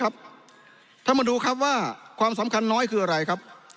ท่านมาดูครับว่าความสำคัญน้อยคืออะไรครับ